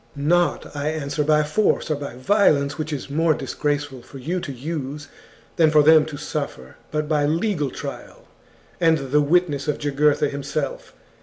* Not. chap. XXXI I answer, by force or by violence, which it is more disgraceful for you to use, than for them to suffer, but by legal trial, and the witness of Jugurtha himself.